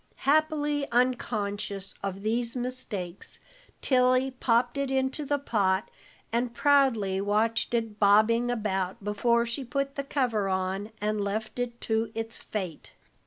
Happily unconscious of these mistakes, Tilly popped it into the pot, and proudly watched it bobbing about before she put the cover on and left it to its fate.